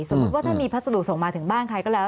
สมมุติว่าถ้ามีพัสดุส่งมาถึงบ้านใครก็แล้ว